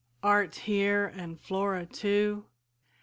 art here, and Flora too!